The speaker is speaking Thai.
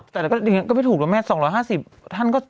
แต่ก็ไม่ถูกไหม๒๕๐ท่านก็